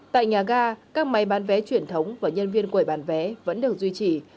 tại nhà ga các máy bán vé truyền thống và nhân viên quầy bán vé vẫn được duy trì